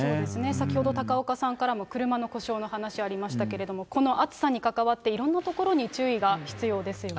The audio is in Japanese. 先ほど高岡さんからも車の故障の話ありましたけれども、この暑さに関わって、いろんな所に注意が必要ですよね。